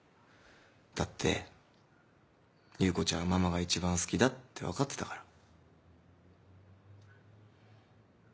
だって優子ちゃんはママが一番好きだって分かってたから。